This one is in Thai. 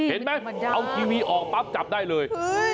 เห็นไหมเอาทีวีออกปั๊บจับได้เลย